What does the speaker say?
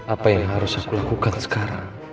apa yang harus aku lakukan sekarang